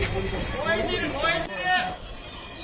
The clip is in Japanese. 燃えてる、燃えてる！